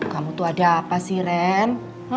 kamu tuh ada apa sih ren